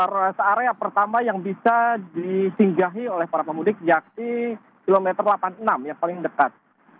rest area pertama yang bisa disinggahi oleh para pemudik yakni kilometer delapan puluh enam yang paling dekat